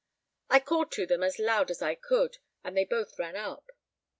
I called to them as loud as I could, and they both ran up.